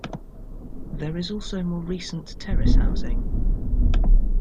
There is also more recent terrace housing.